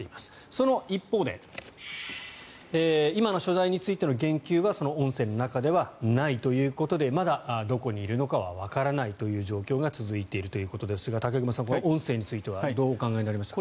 その一方で今の所在についての言及はその音声の中ではないということでまだ、どこにいるのかはわからない状況が続いているということですが武隈さん、この音声についてはどうお考えになりましたか？